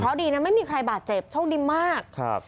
เพราะดีนะไม่มีใครบาดเจ็บโชคดีมากครับ